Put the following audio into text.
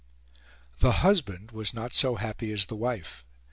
V The husband was not so happy as the wife.